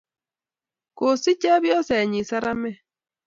kosich chepyosenyin saramek